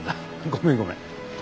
ごめんごめん。